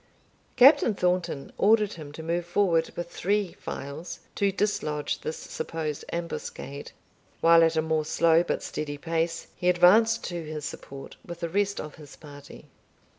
Captain Thornton ordered him to move forward with three files, to dislodge the supposed ambuscade, while, at a more slow but steady pace, he advanced to his support with the rest of his party.